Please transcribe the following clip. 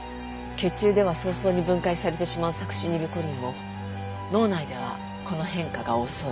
血中では早々に分解されてしまうサクシニルコリンも脳内ではこの変化が遅い。